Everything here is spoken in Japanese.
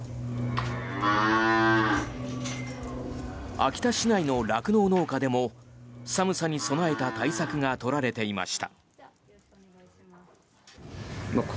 秋田市内の酪農農家でも寒さに備えた対策が取られていました。